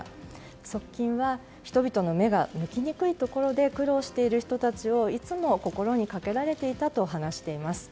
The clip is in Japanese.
側近は、人々の目が向きにくいところで苦労している人たちをいつも心にかけられていたと話しています。